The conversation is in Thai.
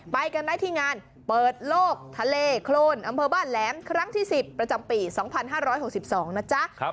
ไปกันได้ที่งานเปิดโลกทะเลโครนอำเภอบ้านแหลมครั้งที่๑๐ประจำปี๒๕๖๒นะจ๊ะ